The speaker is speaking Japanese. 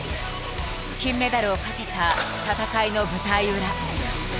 金メダルを懸けた戦いの舞台裏。